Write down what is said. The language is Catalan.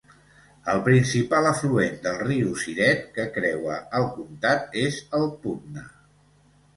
El principal afluent del riu Siret, que creua el comtat, és el Putna.